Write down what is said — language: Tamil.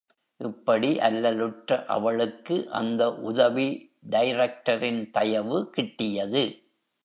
இப்படி அல்லலுற்ற அவளுக்கு அந்த உதவி டைரக்டரின் தயவு கிட்டியது.